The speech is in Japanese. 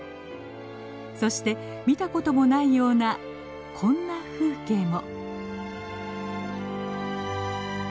そして見たこともないようなこんな風景も。